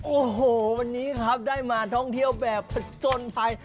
โอ้โหวันนี้ครับได้มาท่องเที่ยวแบบผจญภัย